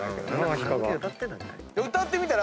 歌ってみたら？